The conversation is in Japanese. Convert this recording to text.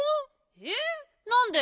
えっなんで？